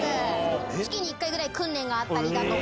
月に１回ぐらい訓練があったりだとか。